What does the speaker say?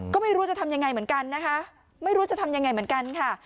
ก็ไม่รู้จะทำยังไงเหมือนกันนะคะไม่รู้จะทำยังไงเหมือนกันค่ะ